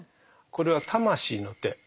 これは魂の手。